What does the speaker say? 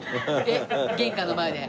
玄関の前で？